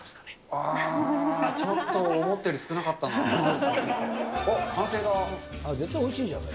あー、ちょっと、思ったより少なかったな。